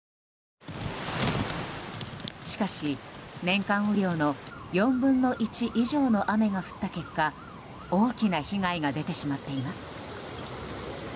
しかし年間雨量の４分の１以上の雨が降った結果大きな被害が出てしまっています。